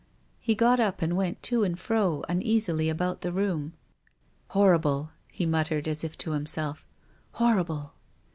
He got up and went to and fro uneasily about the room. " Horrible !" he muttered, as if to himself. " Hor rible!"